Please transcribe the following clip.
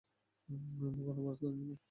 আমি কোন অপরাধ করিনি, মা।